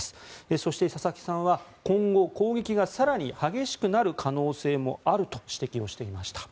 そして佐々木さんは今後、攻撃が更に激しくなる可能性もあると指摘をしていました。